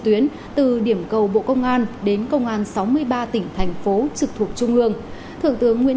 tuyến từ điểm cầu bộ công an đến công an sáu mươi ba tỉnh thành phố trực thuộc trung ương thượng tướng nguyễn